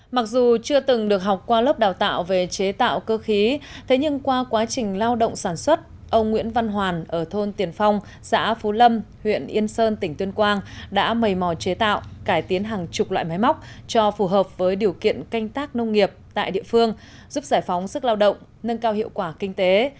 mặc dù chưa từng được học qua lớp đào tạo về chế tạo cơ khí thế nhưng qua quá trình lao động sản xuất ông nguyễn văn hoàn ở thôn tiền phong xã phú lâm huyện yên sơn tỉnh tuyên quang đã mầy mò chế tạo cải tiến hàng chục loại máy móc cho phù hợp với điều kiện canh tác nông nghiệp tại địa phương giúp giải phóng sức lao động nâng cao hiệu quả kinh tế